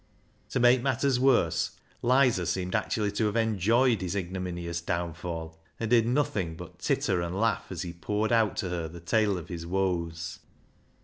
To make matters worse, Lizer seemed actually to have enjoyed his ignominious downfall, and did nothing but titter and laugh as he poured out to her the tale of his woes.